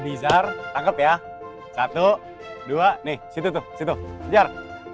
dezar tangkap ya satu dua nih situ tuh situ kejar